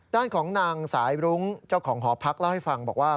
ด้านของนางสายรุ้งเจ้าของหอพักเล่าให้ฟังบอกว่า